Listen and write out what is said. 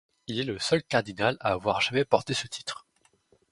Il est le seul cardinal à avoir jamais porté ce titre.